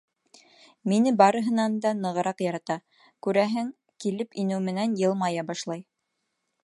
Мине барыһынан да нығыраҡ ярата, күрәһең, килеп инеү менән йылмая башлай.